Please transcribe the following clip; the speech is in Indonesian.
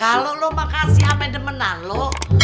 kalau lo mau kasih sama temenan lo